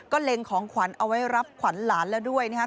เล็งของขวัญเอาไว้รับขวัญหลานแล้วด้วยนะครับ